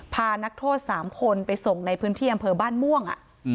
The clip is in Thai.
พานักโทษ๓คนไปส่งในพื้นที่อำเภอบ้านม่วง